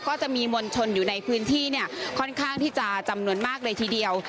ก็จะมีมวลชนอยู่ในพื้นที่เนี่ยค่อนข้างที่จะจำนวนมากเลยทีเดียว